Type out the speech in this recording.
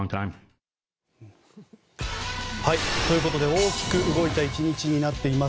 大きく動いた１日になっています。